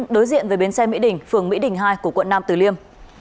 đối diện với bến xe mỹ đình phường mỹ đình hai của quận năm từ liêm